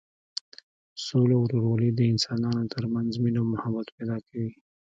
سوله او ورورولي د انسانانو تر منځ مینه او محبت پیدا کوي.